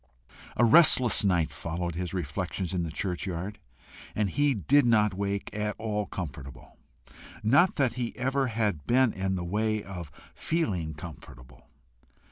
A restless night followed his reflections in the churchyard, and he did not wake at all comfortable. Not that ever he had been in the way of feeling comfortable.